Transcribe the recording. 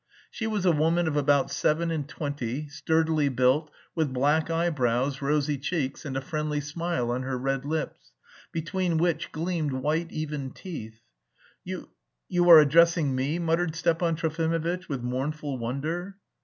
She was a woman of about seven and twenty, sturdily built, with black eyebrows, rosy cheeks, and a friendly smile on her red lips, between which gleamed white even teeth. "You... you are addressing me?" muttered Stepan Trofimovitch with mournful wonder.